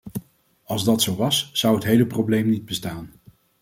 Als dat zo was, zou het hele probleem niet bestaan.